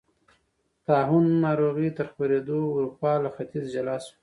طاعون ناروغۍ تر خپرېدو اروپا له ختیځې جلا شوه.